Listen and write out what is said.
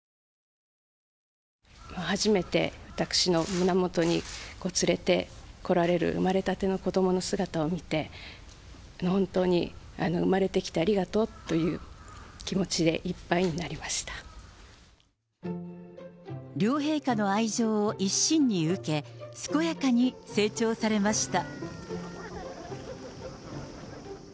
初めて私の胸元に連れてこられる生まれたての子どもの姿を見て、本当に生まれてきてありがとうという気持ちでいっぱいになり両陛下の愛情を一身に受け、健やかに成長されました。